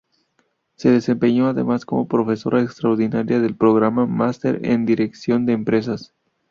Se desempeñó, además, como profesora extraordinaria del Programa Máster en Dirección de Empresas.